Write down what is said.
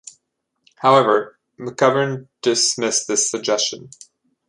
However, McGovern dismissed this suggestion.